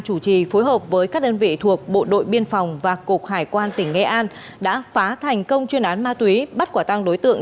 chủ trì phối hợp với các đơn vị thuộc bộ đội biên phòng và cục hải quan tỉnh nghệ an đã phá thành công chuyên án ma túy bắt quả tăng đối tượng